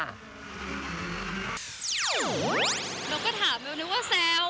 แล้วก็ถามแล้วนึกว่าแซว